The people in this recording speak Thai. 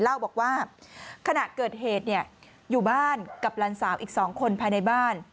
เล่าบอกว่าขณะเกิดเหตุอยู่บ้านกับหลานสาวอีก๒คนภายในบ้าน